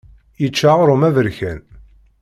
Yečča aɣrum aberkan.